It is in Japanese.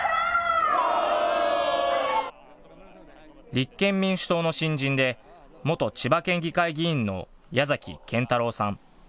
立憲民主党の新人で元千葉県議会議員の矢崎堅太郎さん。